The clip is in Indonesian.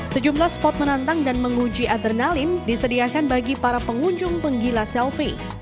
sejumlah spot menantang dan menguji adrenalin disediakan bagi para pengunjung penggila selfie